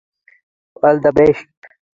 All the best!